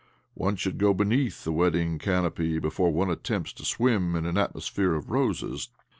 One should go bieneath the wedding canopy before one attempts to swim in an atmosphere of roses.